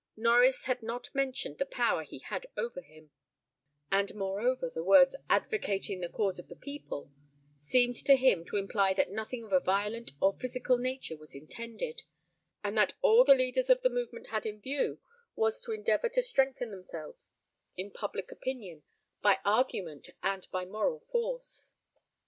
Norries had not mentioned the power he had over him, and moreover the words 'advocating the cause of the people' seemed to him to imply that nothing of a violent or physical nature was intended; and that all the leaders of the movement had in view was to endeavour to strengthen themselves in public opinion by argument and by moral force.